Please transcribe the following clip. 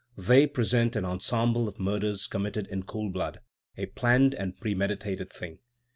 They present an ensemble of murders committed in cool blood, a planned and premeditated thing.